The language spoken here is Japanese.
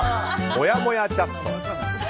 もやもやチャット。